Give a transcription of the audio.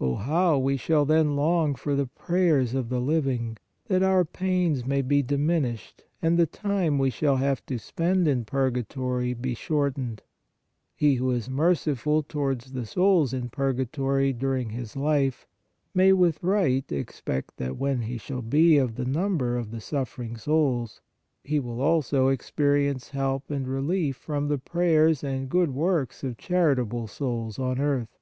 Oh, how we shall then long for the prayers of the living, that our pains may be diminished and the time we shall have to spend in purgatory be shortened ! He who is merciful towards the souls in purgatory during his life, may with right expect that when he shall be of the number of the suffering souls, he will also 146 PRAYER experience help and relief from the prayers and good works of charitable souls on earth.